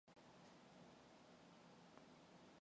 Хоймрын банзан орон дээр нэг хүүхэд мод зорьж сууна.